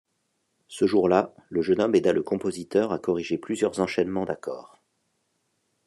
Ce jour-là, le jeune homme aida le compositeur à corriger plusieurs enchaînements d'accords.